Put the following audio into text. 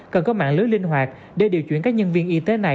cần có mạng lưới linh hoạt để điều chuyển các nhân viên y tế này